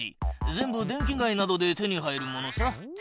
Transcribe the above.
全部電気街などで手に入るものさ。